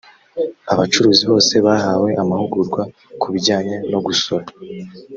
abacuruzi bose bahawe amahugurwa kubijyanye no gusora